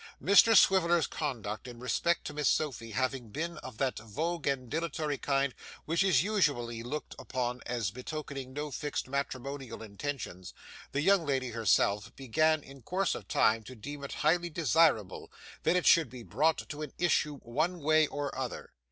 Mr Swiveller's conduct in respect to Miss Sophy having been of that vague and dilatory kind which is usually looked upon as betokening no fixed matrimonial intentions, the young lady herself began in course of time to deem it highly desirable, that it should be brought to an issue one way or other.